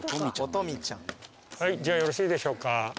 はいじゃあよろしいでしょうか。